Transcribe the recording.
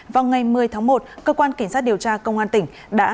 vào ngày một mươi tháng một cơ quan kiểm tra điều tra công an tỉnh đã